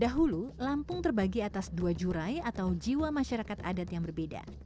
dahulu lampung terbagi atas dua jurai atau jiwa masyarakat adat yang berbeda